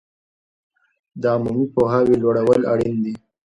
د عمومي پوهاوي لوړول اړین دي.